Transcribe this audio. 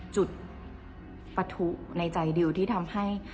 จุดปะทุในใจดิวที่ทำให้